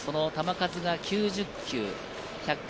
球数は９０球。